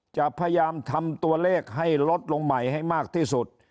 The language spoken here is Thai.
จะพยายามทำตัวเลขให้ลดลงใหม่ให้มากที่สุด